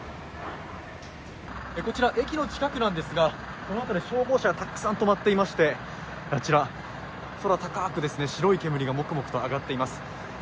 こちら駅の近くなんですがこの辺り、消防車がたくさん止まっていましてあちら空高く白い煙がもくもくと上がっています。